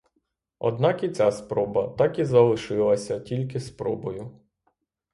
Однак і ця спроба так і залишилася тільки спробою.